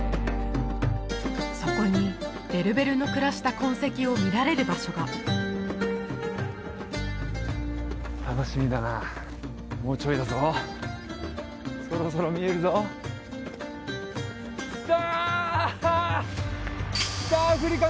そこにベルベルの暮らした痕跡を見られる場所が楽しみだなもうちょいだぞそろそろ見えるぞ来た！